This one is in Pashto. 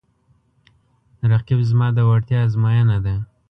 رقیب زما د وړتیا ازموینه ده